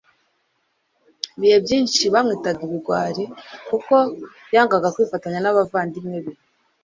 Ibihe byinshi bamwitaga ikigwari kuko yangaga kwifatanya n'abayandimwe be,